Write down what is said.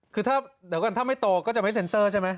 คือถ้าเดี๋ยวก่อนถ้าไม่โตก็จะไม่เซ็นเซอร์ใช่ไหม